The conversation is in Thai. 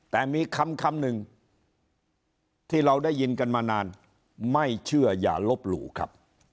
แต่มีคำหนึ่งที่เราได้ยินกันมานานไม่เชื่ออย่าลบหลู่ครับ